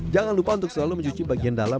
jangan lupa untuk selalu mencuci bagian dalam